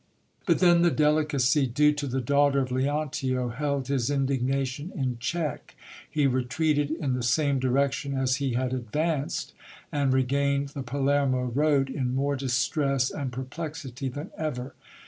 But then the delicacy due to th j daughter of Leontio held his indignation in check. He retreated in the sane direction as he had advanced, and regained the Palermo road, in more distress and perplexity than ever.